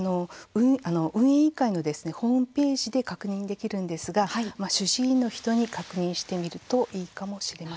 運営委員会のホームページで確認できるんですが主治医の人に確認してみるといいかもしれません。